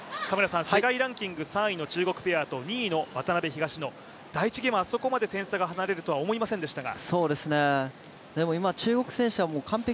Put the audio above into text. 世界ランキング３位の中国ペアと渡辺・東野、第１ゲーム、あそこまで点差が離れるとは思いませんでしたが。